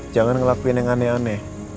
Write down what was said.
jangan ngelakuin yang aneh aneh